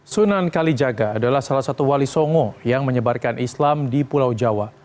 sunan kalijaga adalah salah satu wali songo yang menyebarkan islam di pulau jawa